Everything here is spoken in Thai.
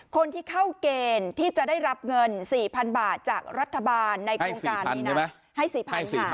คนที่เข้าเกณฑ์ที่จะได้รับเงิน๔๐๐๐บาทจากรัฐบาลในโครงการนี้นะให้๔๐๐๐ค่ะ